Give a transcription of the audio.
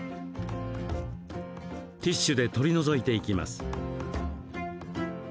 ティッシュで取り除いていきます。